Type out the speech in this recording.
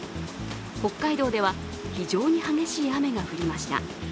北海道では非常に激しい雨が降りました。